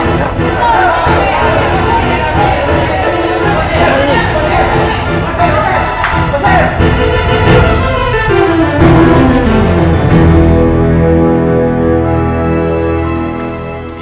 masih masih masih